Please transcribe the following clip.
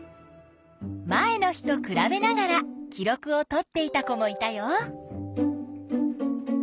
前の日とくらべながら記録をとっていた子もいたよ。